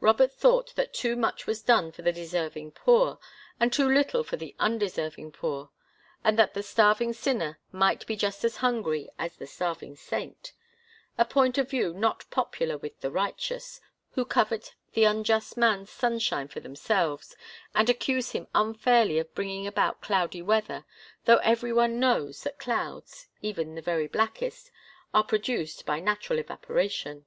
Robert thought that too much was done for the deserving poor, and too little for the undeserving poor, and that the starving sinner might be just as hungry as the starving saint a point of view not popular with the righteous, who covet the unjust man's sunshine for themselves and accuse him unfairly of bringing about cloudy weather, though every one knows that clouds, even the very blackest, are produced by natural evaporation.